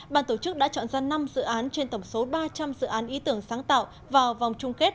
bàn tổ chức đã chọn ra năm dự án trên tổng số ba trăm linh dự án ý tưởng sáng tạo vào vòng chung kết